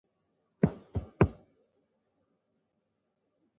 زمونږ نيکونه او پلاران اتلان ول اؤ مونږ هم اتلان يو.